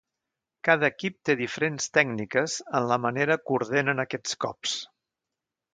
Cada equip té diferents tècniques en la manera que ordenen aquests cops.